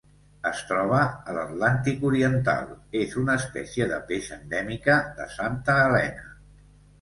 Es troba a l'Atlàntic oriental: és una espècie de peix endèmica de Santa Helena.